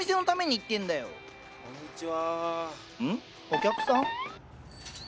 お客さん？